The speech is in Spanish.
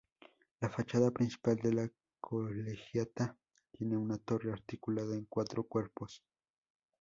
La fachada principal de la Colegiata tiene una torre articulada en cuatro cuerpos.